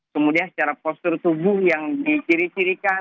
kemudian secara postur tubuh yang diciri cirikan